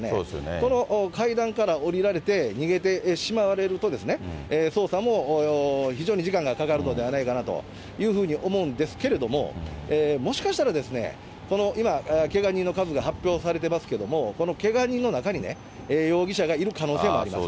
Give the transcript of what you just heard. その階段から下りられて逃げてしまわれると、捜査も非常に時間がかかるのではないかなというふうに思うんですけども、もしかしたら、この今、けが人の数が発表されてますけれども、このけが人の中にね、容疑者がいる可能性もあります。